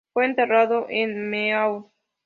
Fue enterrado en Meaux.